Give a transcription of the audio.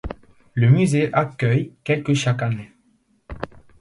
Le musée accueille quelque chaque année.